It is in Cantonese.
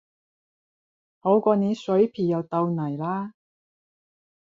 好過你水皮又豆泥啦